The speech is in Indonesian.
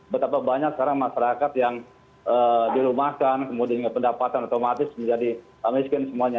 betapa banyak sekarang masyarakat yang dirumahkan kemudian pendapatan otomatis menjadi miskin semuanya